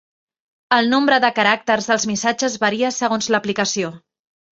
El nombre de caràcters dels missatges varia segons l'aplicació.